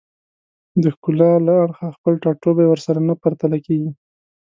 د ښکلا له اړخه خپل ټاټوبی ورسره نه پرتله کېږي